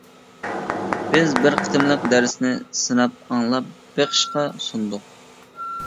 بىز بىر قېتىملىق دەرسىنى سىناپ ئاڭلاپ بېقىشقا سۇندۇق.